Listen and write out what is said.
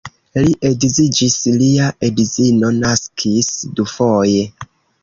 Li edziĝis, lia edzino naskis dufoje.